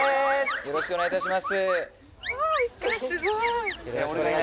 よろしくお願いします